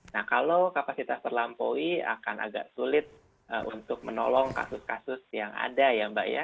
nah kalau kapasitas terlampaui akan agak sulit untuk menolong kasus kasus yang ada ya mbak ya